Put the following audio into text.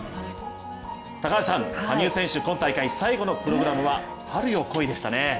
高橋さん、羽生選手、今大会最後のプログラムは「春よ、来い」でしたね。